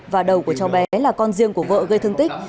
và đầu của cháu bé là con riêng của vợ gây thương tích